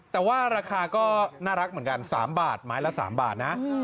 แต่ว่าราคาก็น่ารักเหมือนกัน๓บาทไม้ละ๓บาทนะ